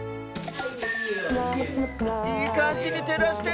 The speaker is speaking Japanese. いいかんじにてらしてる！